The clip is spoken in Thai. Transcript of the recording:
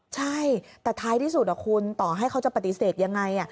ใช่แต่ท้ายที่สุดคุณต่อให้เขาจะปฏิเสธยังไง